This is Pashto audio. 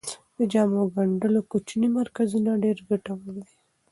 د جامو ګنډلو کوچني مرکزونه ډیر ګټور دي.